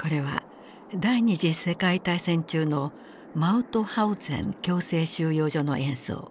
これは第二次世界大戦中のマウトハウゼン強制収容所の映像。